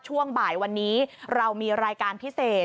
ช่วงบ่ายวันนี้เรามีรายการพิเศษ